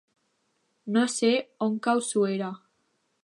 No sé on cau Suera.